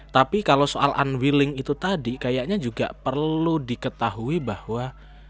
tapi kalau soal unwilling itu tadi kayaknya juga perlu diketahui bahwa